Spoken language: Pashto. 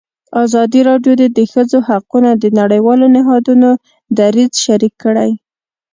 ازادي راډیو د د ښځو حقونه د نړیوالو نهادونو دریځ شریک کړی.